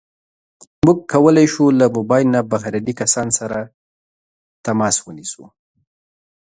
موږ کولی شو له موبایل نه بهرني کسان سره تماس ونیسو.